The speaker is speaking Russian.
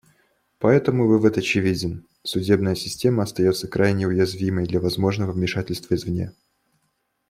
Поэтому вывод очевиден: судебная система остается крайне уязвимой для возможного вмешательства извне.